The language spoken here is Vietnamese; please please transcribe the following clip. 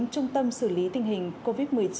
trung tâm xử lý tình hình covid một mươi chín